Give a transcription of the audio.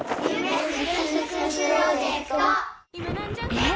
えっ？